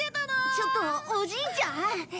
ちょっとおじいちゃん？